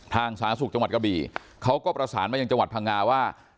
สาธารณสุขจังหวัดกะบี่เขาก็ประสานมายังจังหวัดพังงาว่า